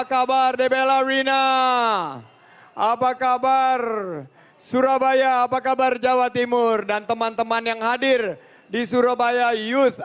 kepo itu adalah kreatif rasional dan sistematis